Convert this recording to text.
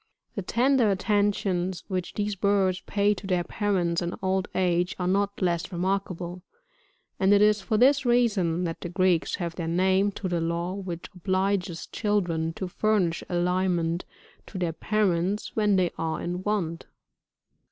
The tender attentions which these birds pay to their parents in crfd age, are not less remarkable, and it is for this reason that the Greeks gave their name to the law which obliges children to furnish aliment to their parents when they are in want.